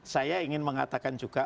saya ingin mengatakan juga